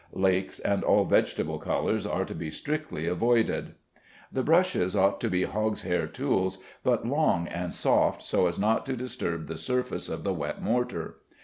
Lakes and all vegetable colors are to be strictly avoided. The brushes ought to be hog's hair tools, but long and soft, so as not to disturb the surface of the wet mortar.